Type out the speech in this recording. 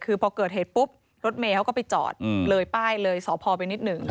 คือพอเกิดเหตุปุ๊บรถเมย์เขาก็ไปจอดเลยป้ายเลยสพไปนิดหนึ่ง